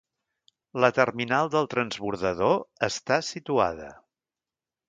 La terminal del transbordador està situada.